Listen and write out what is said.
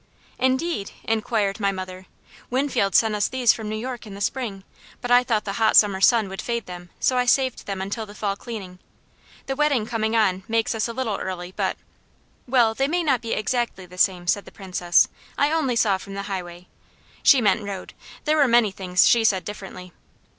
"Indeed?" inquired my mother. "Winfield sent us these from New York in the spring, but I thought the hot summer sun would fade them, so I saved them until the fall cleaning. The wedding coming on makes us a little early but " "Well, they may not be exactly the same," said the Princess. "I only saw from the highway." She meant road; there were many things she said differently.